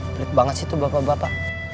belit banget sih tuh bapak bapak